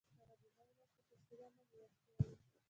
هغه د می میاشتې په شلمه نیول شوی و.